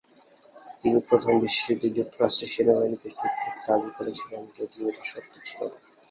তিনি প্রথম বিশ্বযুদ্ধে যুক্তরাষ্ট্রের সেনাবাহিনীতে যুদ্ধের দাবি করেছিলেন, যদিও এটি সত্য ছিল না।